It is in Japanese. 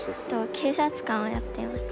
警察官をやっていました。